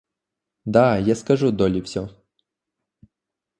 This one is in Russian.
Да, я скажу Долли всё.